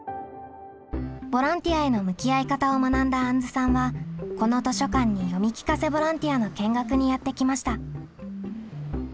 ボランティアへの向き合い方を学んだあんずさんはこの図書館に読み聞かせボランティアの見学にやって来ました。